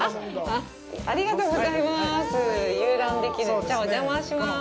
ありがとうございます。